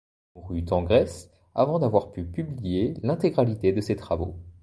Il mourut en Grèce avant d'avoir pu publier l'intégralité de ses travaux.